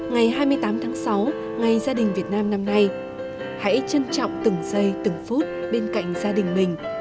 ngày hai mươi tám tháng sáu ngày gia đình việt nam năm nay